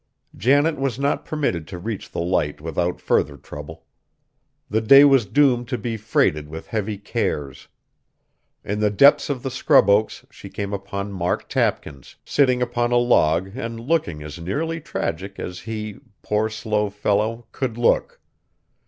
Janet was not permitted to reach the Light without further trouble. The day was doomed to be freighted with heavy cares. In the depths of the scrub oaks she came upon Mark Tapkins, sitting upon a log and looking as nearly tragic as he, poor, slow fellow, could look.